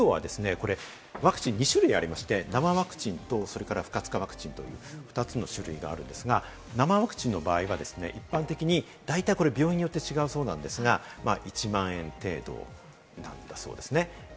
費用はですね、ワクチンは２種類ありまして、生ワクチンとそれから不活化ワクチンと２つの種類があるんですが、生ワクチンの場合は、一般的に大体病院によって違うそうなんですが、１万円程度なんだそうです。